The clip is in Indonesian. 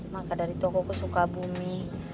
maka dari toko ke sukabumi